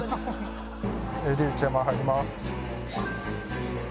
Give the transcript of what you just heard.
ＡＤ内山入ります。